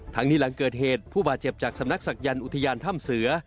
หลังนี้หลังเกิดเหตุผู้บาดเจ็บจากสำนักศักยันต์อุทยานถ้ำเสือ